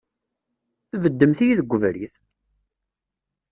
Tbeddemt-iyi deg ubrid!